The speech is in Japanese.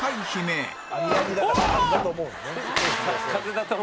「網々だから風だと思うよね」